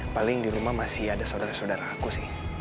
paling di rumah masih ada saudara saudara aku sih